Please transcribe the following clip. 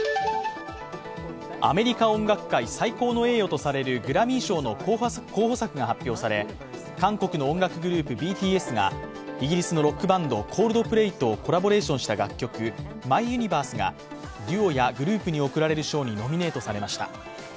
アメリカ音楽界最高の栄誉とされるグラミー賞の候補作が発表され韓国の音楽グループＢＴＳがイギリスのロックバンドＣｏｌｄｐｌａｙとコラボレーションした楽曲「ＭｙＵｎｉｖｅｒｓｅ」がデュオやグループに贈られる賞にノミネートされました。